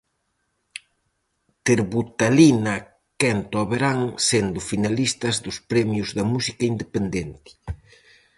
Terbutalina quenta o verán sendo finalistas dos premios da música independente.